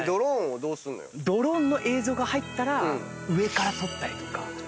ドローンの映像が入ったら上から撮ったりとか。